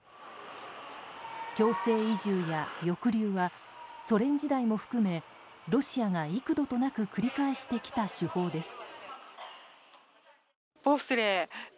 強制移住や抑留はソ連時代も含めロシアが幾度となく繰り返してきた手法です。